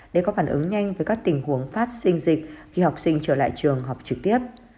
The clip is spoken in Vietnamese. để có phản ứng nhanh với các tình huống phát sinh dịch khi học sinh trở lại trường học trực tiếp